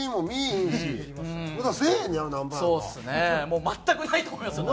もう全くないと思いますよ